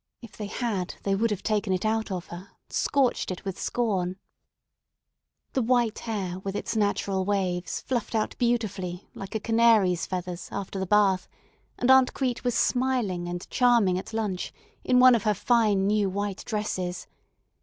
If they had, they would have taken it out of her, scorched it out with scorn. The white hair with its natural waves fluffed out beautifully, like a canary's feathers, after the bath, and Aunt Crete was smiling and charming at lunch in one of her fine new white dresses.